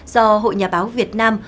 do hội nhà báo việt nam